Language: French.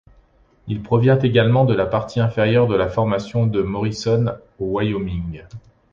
Il provient également de la partie inférieure de la formation de Morrison au Wyoming.